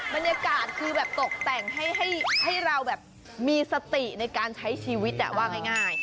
บรรยากาศคือแบบตกแต่งให้เราแบบมีสติในการใช้ชีวิตว่าง่าย